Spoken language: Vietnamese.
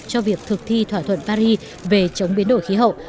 cho việc thực thi thỏa thuận paris về chống biến đổi khí hậu